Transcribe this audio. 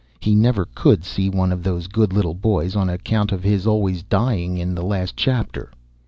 He never could see one of those good little boys on account of his always dying in the last chapter.